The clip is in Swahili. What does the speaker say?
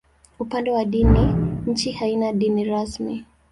Upande wa dini, nchi haina dini rasmi.